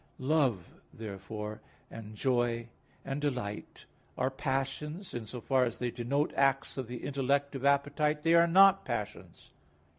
Love, therefore, and joy and delight are passions; in so far as they denote acts of the intellective appetite, they are not passions.